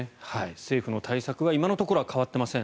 政府の対策は今のところは変わっていません。